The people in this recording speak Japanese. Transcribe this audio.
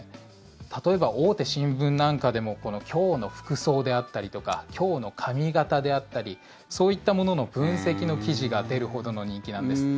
例えば、大手新聞なんかでも今日の服装であったりとか今日の髪形であったりそういったものの分析の記事が出るほどの人気なんです。